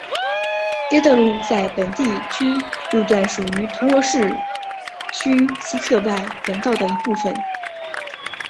该道路在本地区路段属于铜锣市区西侧外环道的一部分。